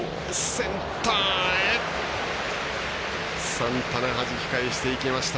センターへサンタナはじき返していきました。